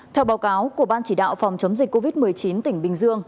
theo báo cáo của ban chỉ đạo phòng chống dịch covid một mươi chín tỉnh bình dương